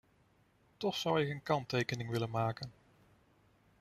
Toch zou ik een kanttekening willen maken.